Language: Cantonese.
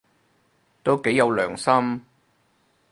都幾有良心